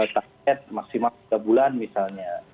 target maksimal tiga bulan misalnya